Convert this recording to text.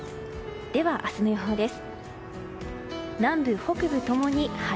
明日の予報です。